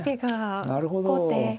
なるほど。